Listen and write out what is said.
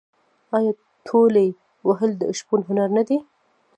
آیا تولې وهل د شپون هنر نه دی؟